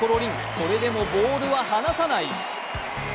それでもボールは離さない。